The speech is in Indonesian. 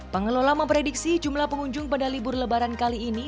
pengelola memprediksi jumlah pengunjung pada libur lebaran kali ini